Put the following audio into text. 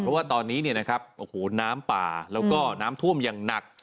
เพราะว่าตอนนี้เนี่ยนะครับโอ้โหน้ำป่าแล้วก็น้ำท่วมอย่างหนัก